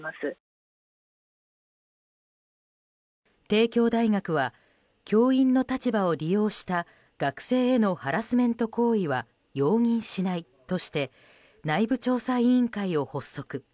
帝京大学は教員の立場を利用した学生へのハラスメント行為は容認しないとして内部調査委員会を発足。